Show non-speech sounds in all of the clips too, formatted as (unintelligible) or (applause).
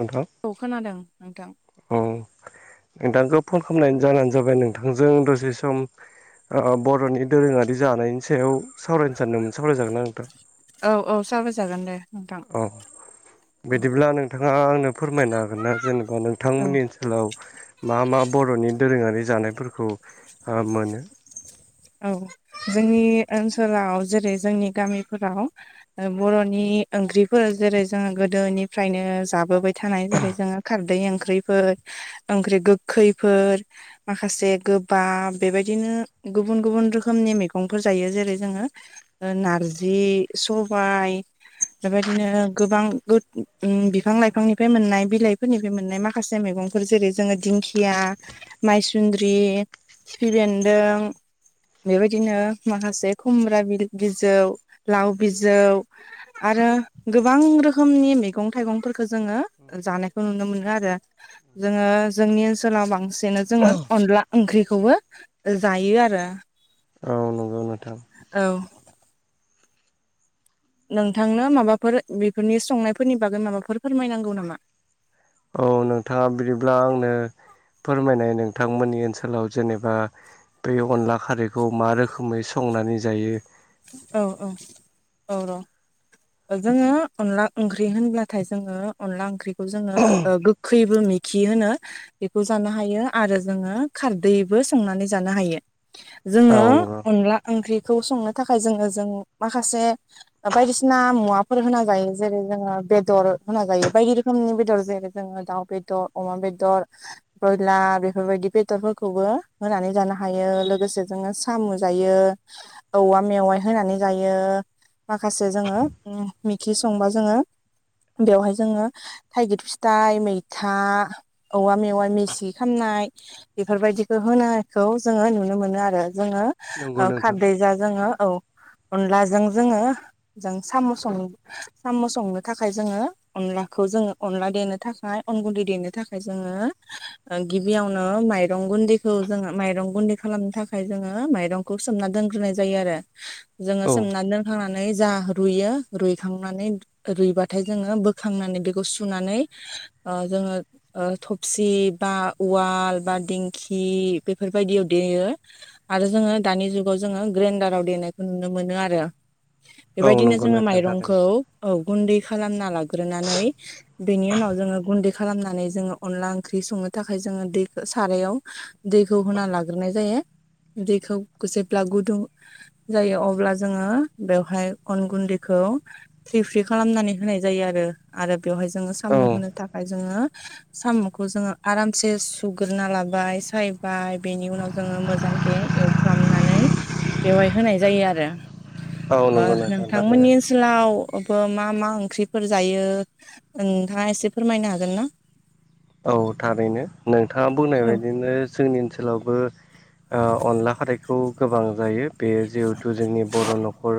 नोंथां औ खोनादों नोंथां? औ नोंथांखौ फन खालामनायनि जानो जाबाय नोंथांजों दसे सम? ओ बर'नि दोरोंङारि जानायनि सायाव सावरायनो सानदोंमोन सावरायजागोनना नोंथां। औ औ सावराय जागोन दे नोंथां औ बिदिब्ला नोंथांङा आंनो फोरमायनो हागोन ना जेनेबा औ नोंथांमोननि जोलाव मा मा बर'नि दोरोंङारि जानायफोरखौ ओ मोनो औ जोंनि ओनसोलाव जेरै जोंनि गामिफोराव ओ बर'नि ओंख्रिफोर जेरै जोंङो गोदोनिफ्रायनो जाबोबाय थानाय जेरै जोंङो खारदै ओंख्रिफोर ओंख्रि गोखैफोर माखासे गोबाब बेबायदिनो गुबुन गुबुन रोखोमनि मैगंफोर जायो जेरै जोंङो नारजि सबायाइ बेबायदिनो गोबां उम बिफां लाइफांनिफ्राय मोननाय बिलाइफोरनिफ्राय मोननाय माखासे मैगं फोर जेरै जोंङो दिंखिया माइसुन्द्रि खिफि बेन्दों बेबायदिनो माखासे खुमब्रा बिजौ लाव बिजौ-' आरो गोबां रोखोमनि मैगं थाइगंफोरखौ जोंङो जानायखौ नुनो मोनो आरो जोंङो जोंनि ओनसोलाव बांसिनानो जोंङो अनला ओंख्रिखौबो जायो आरो औ नंगौ नोंथां औव नोंथांनो माबाफोर बेफोरनि संनायफोरनि बागै माबाफोर फोरमायनांगौ नामा? औ नोंथांङा बिदिब्ला आंनो फोरमायनाय नोंथांमोननि ओनसोलाव जेनेबा बे अनला खारैखौ मा रोखोमै संनानै जायो? औ औ औ र'। जोङो अनला ओंख्रि होनब्लाथाय जोङो अनला ओंख्रिखौ जोङो खो ओ गो खैबो मैखि होनो बेखौ जानो हायो आरो जोङो खारदैबो संनानै जानो हायो। औ जोङो नंगौ अनला ओंख्रिखौ संनो थाखाय जोङो जों माखासे दा बायदिसिना मुवाफोर होना जायो जेरै जोङो बेदर होना जायो बायदि रोखोमनि बेदर जेरै जोङो दाउ बेद' अमा बेदर ब्रयलार बेफोरबायदि बेदरफोरखौबो होनानै जानो हायो लोगोसे जोङो साम' जायो। औवा मेवाइ होनानै जायो माखासे जोङो मैखि संबा जोङो बेवहाय जोङो थाइगिर फिथाइ मैथा औवा मेवाइ मिसि खामनाय बेफोरबायदिखो होनायखौ जोङो नुनो मोनो आरो जोङो नंगौ ओ नोंथां खारदैजा जोङो औ अनलाजों जोङो जों साम' सं साम' संनो थाखाय जोङो अनलाखौ जोङो अनला देनो थाखाय अन गुन्दै देनो थाखाय जोङो ओ गिबियावनो माइरं गुन्दैखौ जोङो माइरं गुन्दै खालामनो थाखाय जोङो माइरंखौ सोमना दोनग्रोनाय जायो आरो जोङो औ सोमनानै दोनखांनानै जा रुयो रुइखांनानै रुइबाथाय जोङो बोखांनानै बेखौ सुनानै ओ जोङो ओ थफसि बा उवाल बा दिंखि बेफोरबायदियाव देयो। आरो जोङो दानि जुगाव जोङो ग्रेन्डाराव देनायखौ नुनो मोनो आरो। औ बेबायदिनो नंगौ जोङो नोंथां थारैनो माइरंखौ औ गुन्दै खालामना लाग्रोनानै बेनि उनाव जोङो गुन्दै खालामनानै जोङो अनला ओंख्रि संनो थाखाय जोङो दैखो सारायाव दैखौ होना लाग्रोनाय जायो दैखौ गोसेब्ला गुदुं जायो अब्ला जोङो बेवहाय अन गुन्दैखौ फ्रि फ्रि खालामनानै होनाय जायो आरो आरो बेवहाय जोङो साम' औ होनो थाखाय जोङो साम'खौ जोङो आरामसे सुग्रोना लाबाय सायबाय बेनि उनाव जोङो मोजांके एवफ्रामनानै बेवहाय होनाय जायो आरो औ ओ नंगौ नोंथां थारैनो नोंथांमोननि ओन सोलावबो मा मा ओंख्रिफोर जायो? नोंथाङा एसे फोरमायनो हागोन ना? औ थारैनो नोंथाङा बुंनाय बायदिनो जोंनि ओनसोलावबो ओ अनला खारैखौ गोबां जायो बे जिहेथु जोंनि बर' न'खर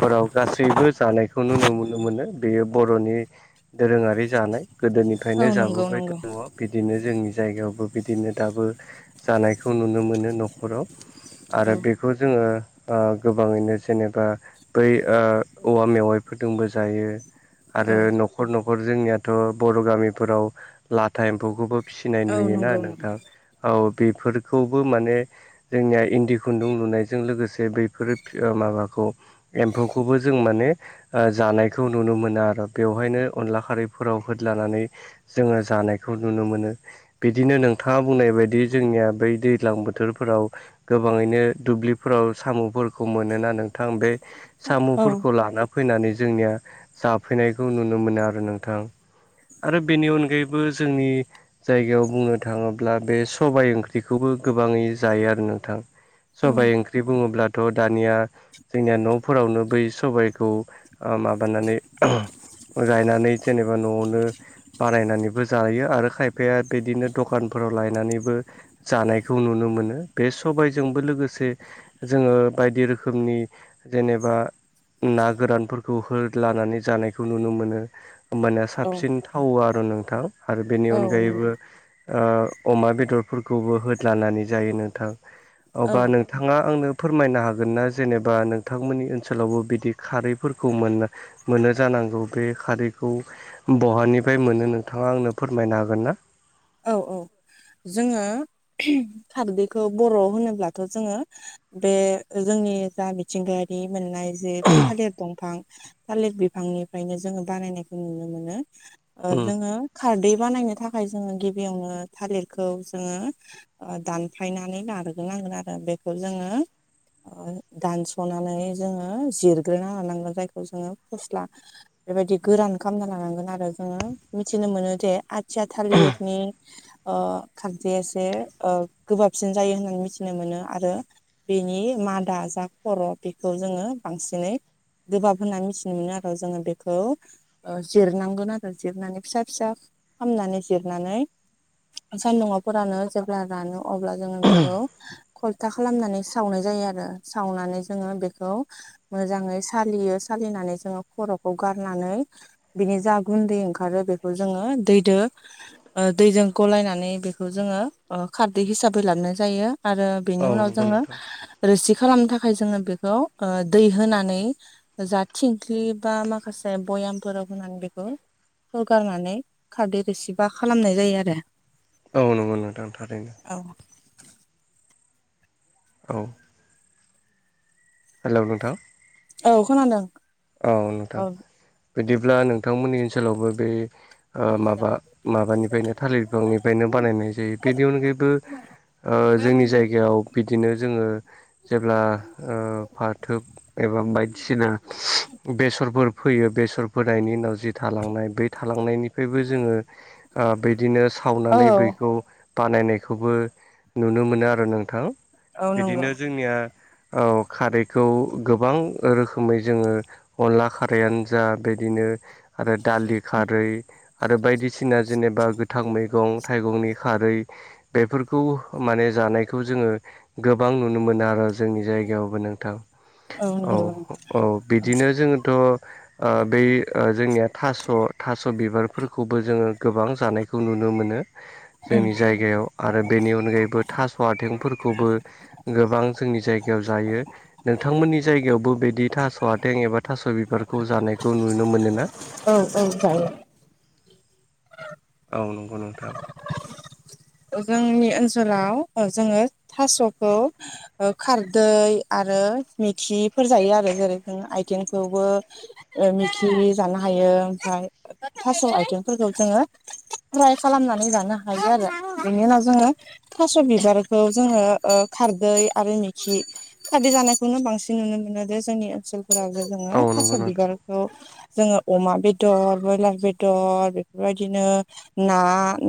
फोराव गासैबो जानायखौ नुमोनो मोनो बेयो बर'नि दोरोङारि जानाय। औ गोदोनिफ्रायनो नंगौ जाबोबाय नंगौ द' बिदिनो जोंनि जायगायावबो बिदिनो दाबो जानायखौ नुनो मोनो न'खराव आरो औ बेखौ जोङो ओ गोबाङैनो जेनेबा बै ओ औवा मेवाइफोरदोंबो जायो। आरो न'खर न'खर जोंनियाथ' बर' गामिफोराव लाथा एम्फौखौबो फिसिनाय औ नुयोना नंगौ नोंथां नंगौ औ बेफोरखौबो माने जोंनिया इन्दि खुन्दुं लुनायजों लोगोसे बैफोर (inaudible) ओ माबाखौ एम्फौखौबो जों माने ओ जानायखौ नुनो मोनो आर' बेवहायनो अनला खारैफोराव होदलानानै जोङो जानायखौ नुनो मोनो। बिदिनो नोंथाङा बुंनाय बायदि जोंनिया बै दैज्लां बोथोरफोराव गोबाङैनो दुब्लिफोराव साम'फोरखौ मोनोना नोंथां बे औ साम'फोरखौ लाना फैनानै जोंनिया जाफैनायखौ नुनो मोनो आरो नोंथां आरो बेनि अनगायै बो जोंनि जायगायाव बुंनो थाङोब्ला बे सबाइ ओंख्रिखौबो गोबाङै जायो आरो नोंथां। सबाइ ओंख्रि बुङोब्लाथ' दानिया जोंनिया न'फोरावनो बै सबायखौ माबानानै गायनानै जेनेबा न'आवनो बानायनानैबो जायो आरो खायफाया बिदिनो दखानफोराव लायनानैबो जानायखौ नुनो मोनो बे सबायजोंबो लोगोसे जोङो बायदि रोखोमनि जेनेबा ना गोरानफोरखौ होदलानानै जानायखौ नुनो मोनो होमबाना औ साबसिन थावो आरो नोंथां आरो बेनि औ अनगायैबो नंगौ अमा बेदरफोरखौबो होदलानानै जायो नोंथां औ अबा नों नोंथाङा आंनो फोरमायनो हागोन ना जेनेबा नोंथांमोननि ओनसोलावबो बिदि खारैफोरखौ मोननो मोनो जानांगौ बे खारैखौ बहानिफ्राय मोनो नोंथां नोंथाङा आंनो फोरमायनो हागोन ना औ औ जोङो खारदैखौ बर' होनोब्लाथ' जोङो बे जोंनि जा मिथिंगायारि मोननाय जे थालिर दंफां थालिर बिफांनिफ्रायनो जोङो बानायनायखौ नुनो मोनो उम जोङो खारदै बानायनो थाखाय जोङो गिबियावनो थालिरखौ जोङो दानफायनानै लाग्रोनांगोन आरो बेखौ जोङो दानस'नानै जोङो जिरग्रोना लानांगोन जायखौ जोङो फस्ला बेबायदि गोरान खालामना लानांगोन आरो जोङो मिथिनो मोनो जे आथिया थालिरनि ओ खारदैया एसे ओ गोबाबसिन जायो होननानै मिथिनो मोनो आरो बेनि मादा जा खर' बेखौ जोङो बांसिनै गोबाब होनना मिथिनो मोनो आरो जोङो बेखौ ओ जिरनांगोन आरो जिरनानै फिसा फिसा खामनानै जिरनानै सान्दुंआव फोरानो जेब्ला रानो अब्ला जोङो बेखौ खलथा खालामनानै सावनाय जायो आरो सावनानै जोङो बेखौ मोजाङै सालियो सालिनानै जोङो खरखौ गारनानै बिनि जा गुन्दै ओंखारो बेखौ जोङो दैदो (inaudible) ओ दैजों गलायनानै बेखौ जोङो खारदै हिसाबै लानाय जायो आरो बेनि औ उनाव नंगौ जोङो नोंथां रोसि खालामनो थाखाय जोङो बेखौ ओ दै होनानै जा थिंख्लि बा माखासे बयामफोराव होनानै बेखौ होगारनानै खारदै रोसिबा खालामनाय जायो आरो औ नंगौ नोंथां थारैनो औ औ हेलौ नोंथां औ खोनादों औ नोंथां औ बिदिब्ला नोंथांमोननि ओनसोलावबो बे ओ माबा माबानिफ्रायनो थालिर बिफांनिफ्रायनो बानायनाय जायो बेनि अनगायैबो ओ जोंनि जायगायाव बिदिनो जोङो जेब्ला ओ फाथोब एबा बायदिसिना बेसरफोर फोयो बेसर फोनायनि उनाव जि थालांनाय बे थालांनायनि बो जोङो बिदिनो सावनानै औ बैखौ बानायनायखौबो नुनो मोनो आरो नोंथां औ नंगौ बिदिनो जोंनिया औ खारैखौ गोबां रोखोमै जोङो अनला खार दैयानो जा बिदिनो आरो दालि खारै आरो बायदिसिना जेनेबा गोथां मैगं थाइगंनि खारै बेफोरखौ माने जानायखौ जोङो गोबां नुनो मोनो आरो जोंनि जायगायावबो नोंथां औ औ बिदिनो जोङोथ ओ बै जोंनिया थास' थास' बिबारफोरखौबो जोङो गोबां जानायखौ नुनो मोनो उम जोंनि जायगायाव। आरो बेनि अनगायैबो थास' आथिंफोरखौबो गोबां जोंनि जायगायाव जायो। नोंथांमोननि जायगायावबो बेदि थास' आथें एबा थास' बिबारखौ जानायखौ नुनो मोनो ना? औ औ जायो। औ नंगौ नोंथां। औ जोंनि ओनसोलाव औ जोङो थास'खौ ओ खारदै आरो मिखिफोर जायो आरो जेरै जों आइथिंखौबो ओ मिखि जानो हायो ओमफ्राय थास' आइथेंफोरखौ जोङो फ्राय खालामनानै जानो हायो आरो। बिनि उनाव जोङो थास' बिबारखौ जोङो ओ खारदै आरो मिखि खारदै जानायखौनो बांसिन नुनो मोनो जे जोंनि ओनसोलफोरावबो जोङो औ नंगौ थास' नोंथां बिबारखौ जोङो अमा बेदर बयलार बेदर बेफोरबायदिनो ना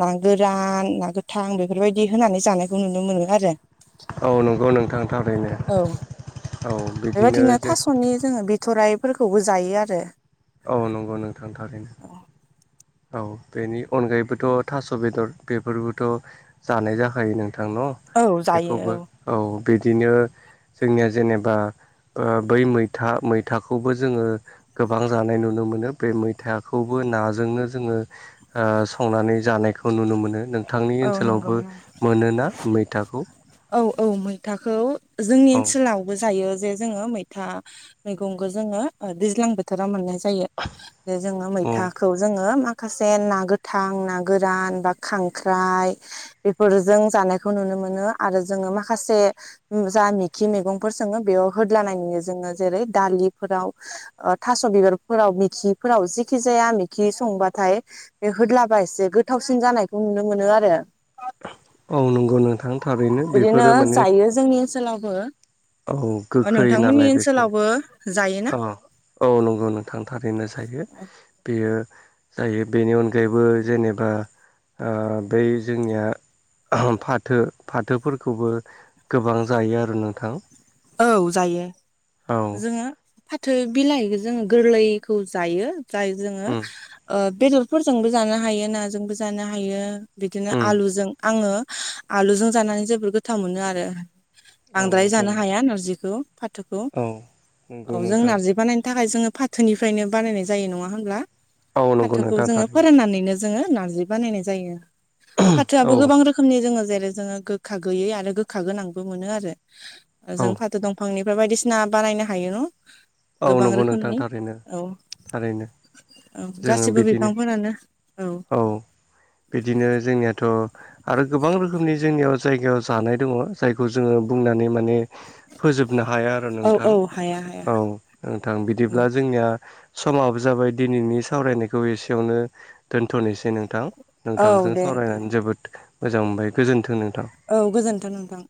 ना गोरान ना गोथां बेफोरबायदि होनानै जानायखौ नुनो मोनो आरो। औ नंगौ नोंथां थारैनो औ बिदिनो बेबायदिनो जों (unintelligible) जोङो बिथ थराइफोरखौबो जायो आरो। औ नंगौ नोंथां थारैनो। औ बेनि अनगायैबोथ' थास' बेदर बेफोरबोथ' जानाय जाखायो नों थां न' औ जायो बेखौबो औ बिदिनो जोंनिया जेनेबा ओ बै मैथा मैथाखौबो जोङो गोबां जानाय नुनो मोनो बे मैथाखौबो नाजोंनो जोङो ओ संनानै जानायखौ नुनो मोनो नोंथांनि औ नंगौ ओनसोलावबो नंगौ मोनोना? मैथाखौ औ औ मैथाखौ जोंनि औ ओनसोलाव बो जायो जे जोङो मैथा मैगंखौ जोङो ओ दैज्लां बोथोराव मोननाय जायो। बे जोङो औ मैथाख खौ जोङो माखासे ना गोथां, ना गोरान, बा खांख्राइ बेफोरजों जानायखौ नुनो मोनो आरो जोङो माखासे उम जा मेखि मेगंफोर सङो बेयाव होदलानाय नुयो जोङो जेरै दालिफोराव। ओ थास' बिबारफोराव मेखिफोराव जेखि जाया मेखि संबाथाय बे होदलाबा एसे गोथावसिन जानायखौ नुनो मोनो आरो। औ नंगौ नोंथां थारैनो बिदिनो बेफोरो माने जायो जोंनि ओनसोलावबो औ ओ नोंथांमोननि ओनसोलावबो जायोना? ओ औ नंगौ नोंथां थारैनो जायो। बेयो जायो बेनि अनगायैबो जेनेबा ओ बै जोंनिया फाथो फाथोफोरखौबो गोबां जायो आरो नोंथां। औ जायो औ जोङो फाथो बिलाइखौ जोङो गोरलैखौ जायो जाय जोङो उम ओ बेदर फोरजोंबो जानो हायो नाजोंबो जानो हायो बिदिनो उम आलुजों आङो आलुजों जानानै जोबोर गोथाव मोनो आरो। औ बांद्राय नंगौ। जानो नोंथां हाया नारजिखौ फाथोखौ औ नंगौ औ जों नोंथां नारजि बानायनो थाखाय जोङो फाथ थोनिफ्रायनो बानायनाय जायो नङा होनब्ला औ नंगौ फाथोखौ नोंथां जोङो थारैनो फोराननानैनो जोङो नारजि बानायनाय जायो फाथोआबो औ गोबां रोख खोमनि जोङो जेरै जोङो गोखा गैयै आरो गोखा गोनांबो मोनो आरो ओ औ जों फाथो दं फांनिफ्राय बायदिसिना बानायनो हायो न' औ गोबां नंगौ नोंथां रोखोमनि थारैनो औ। थारैनो औ जोङो गासिबो बिदिनो बिफांफोरानो औ बिदिनो जोंनियाथ' आरो गोबां रोखोमनि जोंनियाव जायगायाव जानाय दङ जायखौ जोङो बुंनानै माने फोजोबनो हाया आरो औ नोंथां हाया हाया औ। नोंथां औ बिदिब्ला जोंनिया समाबो जाबाय दिनैनि सावरायनायखौ एसेयावनो दोनथ'नोसै नोंथां औ नोंथांजों दे दे सावरायनानै जोबोद। मोजां मोनबाय गोजोन्थों नोंथां। औ गोजोन्थों नोंथां।